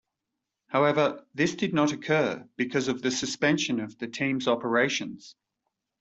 However, this did not occur because of the suspension of the team's operations.